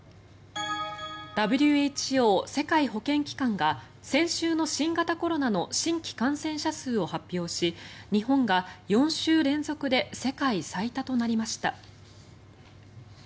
ＷＨＯ・世界保健機関が先週の新型コロナの新規感染者数を発表し日本が４週連続で世界最多となりました。